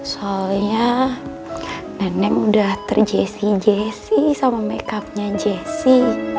soalnya nenek udah ter jessy jessy sama make up nya jessy